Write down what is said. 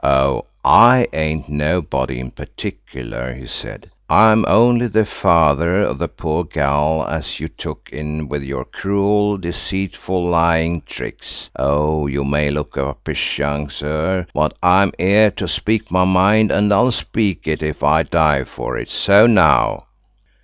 "Oh, I ain't nobody in particular," he said. "I'm only the father of the pore gell as you took in with your cruel, deceitful, lying tricks. Oh, you may look uppish, young sir, but I'm here to speak my mind, and I'll speak it if I die for it. So now!"